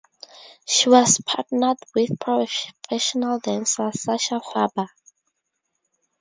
She was partnered with professional dancer Sasha Farber.